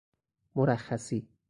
مرخصی